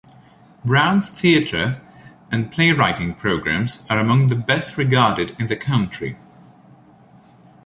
Brown's theatre and playwriting programs are among the best-regarded in the country.